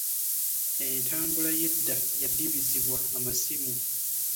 entambula y'edda yadibizibwa amasimu.